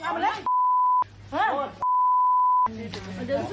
โทษมาพี่อี๋ทีกันเลย